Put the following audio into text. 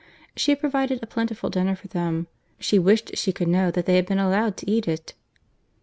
—She had provided a plentiful dinner for them; she wished she could know that they had been allowed to eat it.